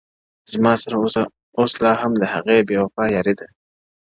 زما سره اوس لا هم د هغي بېوفا ياري ده’